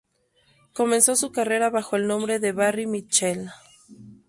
Comenzó su carrera bajo el nombre de "Barry Mitchell"".